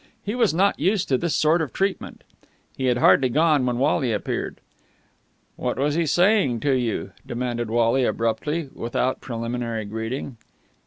He was not used to this sort of treatment. He had hardly gone, when Wally appeared. "What was he saying to you?" demanded Wally abruptly, without preliminary greeting.